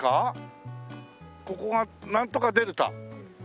ここがなんとかデルタ？